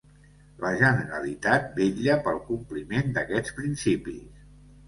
La Generalitat vetlla pel compliment d'aquests principis.